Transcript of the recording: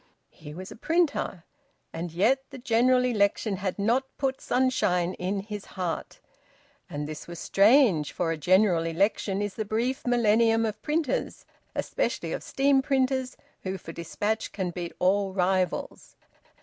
He was a printer, and yet the General Election had not put sunshine in his heart. And this was strange, for a general election is the brief millennium of printers, especially of steam printers who for dispatch can beat all rivals.